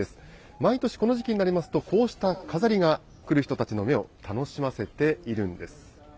毎年、この時期になりますと、こうした飾りが、来る人たちの目を楽しませているんです。